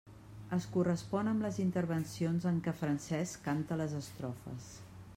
Es correspon amb les intervencions en què Francesc canta les estrofes.